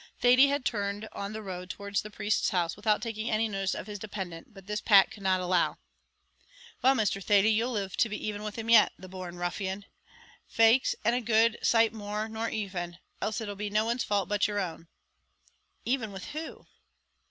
Thady had turned on the road towards the priest's house without taking any notice of his dependant, but this Pat could not allow. "Well, Mr. Thady, you'll live to be even with him yet the born ruffian! faix and a good sight more nor even; else it'll be no one's fault but yer own." "Even with who?"